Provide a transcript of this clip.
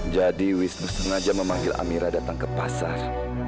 wisnu sengaja memanggil amira datang ke pasar